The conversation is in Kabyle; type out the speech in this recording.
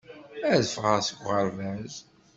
Ad ffɣeɣ seg uɣerbaz.